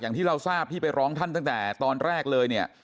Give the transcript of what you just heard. อย่างที่เราทราบที่ไปร้องท่านตั้งแต่ตอนแรกเลยเนี่ย